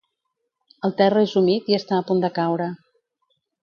El terra és humit i està a punt de caure.